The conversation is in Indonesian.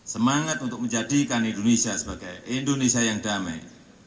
semangat untuk menjadikan indonesia sebagai indonesia yang damai